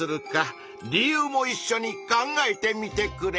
理由もいっしょに考えてみてくれ。